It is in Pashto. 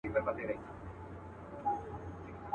یوه ورځ وو یو صوفي ورته راغلی.